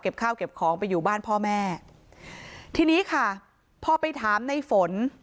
ข้าวเก็บของไปอยู่บ้านพ่อแม่ทีนี้ค่ะพอไปถามในฝน